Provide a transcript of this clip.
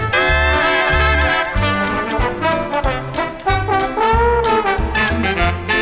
สวัสดีครับสวัสดีครับ